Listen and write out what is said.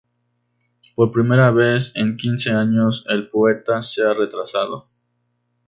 Por primera vez en quince años el poeta se ha retrasado.